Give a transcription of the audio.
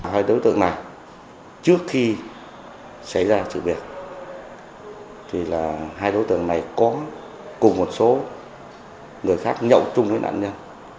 hai đối tượng này trước khi xảy ra sự việc thì là hai đối tượng này có cùng một số người khác nhậu chung với nạn nhân